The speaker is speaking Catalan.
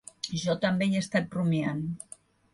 Jo també hi he estat rumiant.